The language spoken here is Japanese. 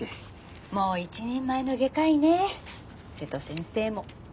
もう一人前の外科医ね瀬戸先生も。